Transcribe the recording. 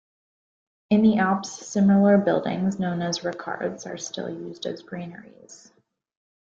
In the Alps, similar buildings, known as raccards, are still in use as granaries.